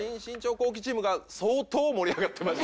公記チームが相当盛り上がってましたけど。